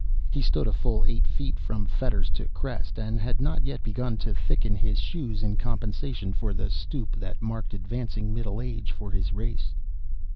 He stood a full eight feet from fetters to crest, and had not yet begun to thicken his shoes in compensation for the stoop that marked advancing middle age for his race.